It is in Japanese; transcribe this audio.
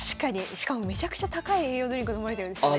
しかもめちゃくちゃ高い栄養ドリンク飲まれてるんですよね。